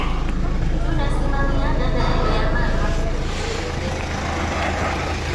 tunasimamia yale ambayo Mwanapanduzi huyu aliyasimamia Lumumba alitaka uhuru kamili wa bara la Afrika